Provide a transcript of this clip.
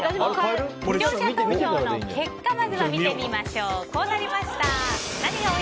視聴者投票の結果をまずは見てみましょう。